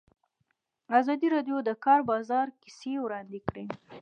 ازادي راډیو د د کار بازار کیسې وړاندې کړي.